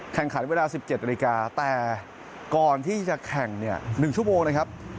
แข่งขันเวลา๑๗นาฬิกาแต่ก่อนที่จะแข่งเนี่ย๑ชั่วโมงนะครับ